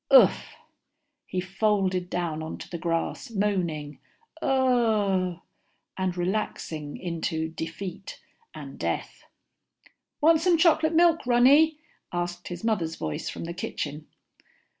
"Oof." He folded down onto the grass, moaning, "Uhhhooh ..." and relaxing into defeat and death. "Want some chocolate milk, Ronny?" asked his mother's voice from the kitchen.